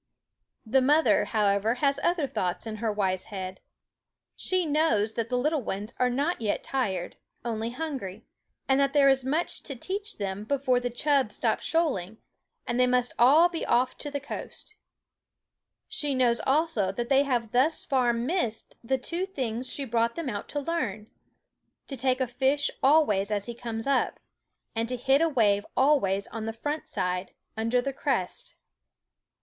hool For , The mother, however, has other thoughts /t S h IF * n ^ er w * se neac ^^ ne knows that the little nes are not Y e t tired, only hungry; and that there is much to teach them before the chub stop shoaling and they must all be off to the coast. She knows also that they have thus far missed the two things she brought them out to learn: to take a fish always as he comes up; and to hit a wave always on the front side, under the crest.